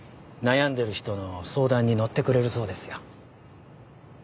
悩んでる人の相談に乗ってくれるそうですよ。